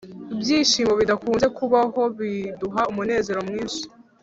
“ibyishimo bidakunze kubaho biduha umunezero mwinshi.”